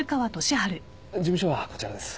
事務所はこちらです。